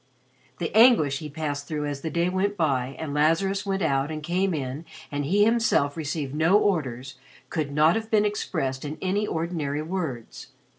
The anguish he passed through as the day went by and Lazarus went out and came in and he himself received no orders, could not have been expressed in any ordinary words.